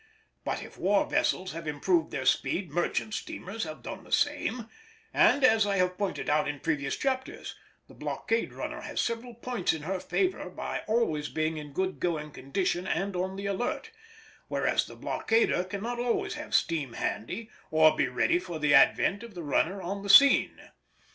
But if war vessels have improved their speed merchant steamers have done the same; and, as I have pointed out in previous chapters, the blockade runner has several points in her favour by always being in good going condition and on the alert, whereas the blockader cannot always have steam handy or be ready for the advent of the runner on the scene.